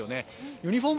ユニフォーム